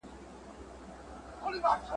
زه کښېناستل نه کوم.